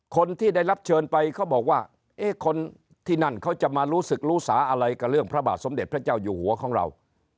คนที่ได้รับเชิญไปเขาบอกว่าเอ๊ะคนที่นั่นเขาจะมารู้สึกรู้สาอะไรกับเรื่องพระบาทสมเด็จพระเจ้าอยู่หัวของเรา